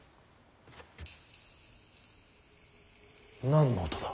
何の音だ。